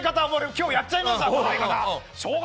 今日、やっちゃいましょう。